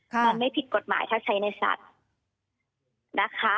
มันไม่ผิดกฎหมายถ้าใช้ในสัตว์นะคะ